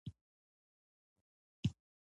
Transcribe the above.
پنېر تازه وي نو نرم خوند لري.